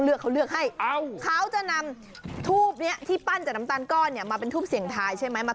อ่ะเลยทำให้ลูกค้าเนี่ยโอปมันซื้อเราต้องถ่ายรูป